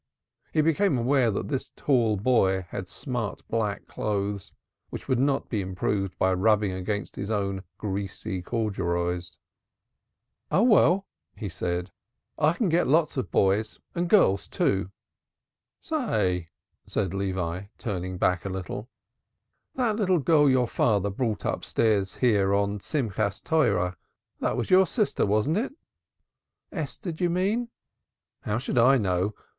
He became aware that this tall boy had smart black clothes, which would not be improved by rubbing against his own greasy corduroys. "Oh, well," he said, "I can get lots of boys, and girls, too." "Say," said Levi, turning back a little. "That little girl your father brought upstairs here on the Rejoicing of the Law, that was your sister, wasn't it?" "Esther, d'ye mean?" "How should I know?